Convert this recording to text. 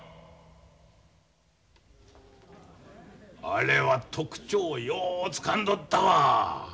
あれは特徴をようつかんどったわ。